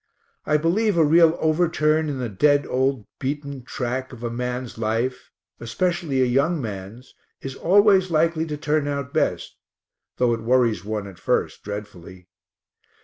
I believe a real overturn in the dead old beaten track of a man's life, especially a young man's, is always likely to turn out best, though it worries one at first dreadfully.